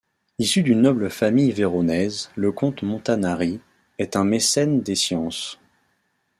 Issu d'une noble famille véronaise, le comte Montanari est un mécène des sciences.